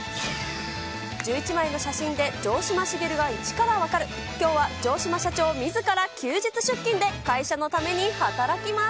１１枚の写真で城島茂が１からわかる、きょうは城島社長みずから休日出勤で会社のために働きます。